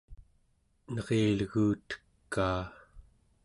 nerilegutekaa